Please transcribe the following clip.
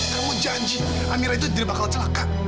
kamu janji amira itu jadi bakal celaka